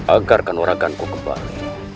agar kanuraganku kembali